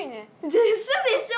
でしょでしょ！